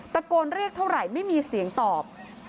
ตะโกนเรียกเท่าไหร่ไม่มีเสียงตอบ